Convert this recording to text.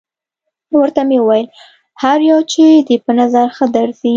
ورته ومې ویل: هر یو چې دې په نظر ښه درځي.